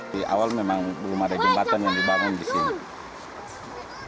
di awal memang belum ada jembatan yang dibangun di sini